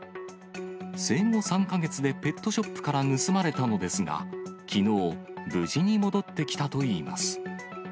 生後３か月でペットショップから盗まれたのですが、きのう、無事に戻ってきたといいます。